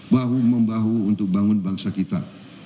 bahu membahu untuk bangun bangsa kita